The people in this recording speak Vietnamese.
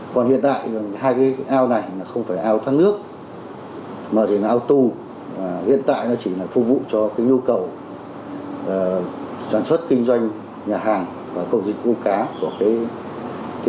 còn hiện tại hai cái ao này là không phải ao thoát nước mà thì nó ao tù hiện tại nó chỉ là phục vụ cho cái nhu cầu sản xuất kinh doanh nhà hàng và công dịch uống cá của cái ông xuân quế